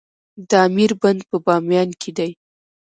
د امیر بند په بامیان کې دی